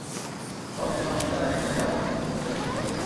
অবশেষে সম্প্রতি তাঁরা সেই কুহেলির আবরণ ছিন্ন করতে পেরেছেন বলে মনে করছেন।